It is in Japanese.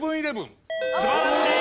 素晴らしい。